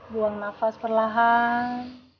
buang nafas perlahan